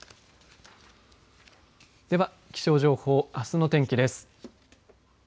では気象情報、あすの天気です。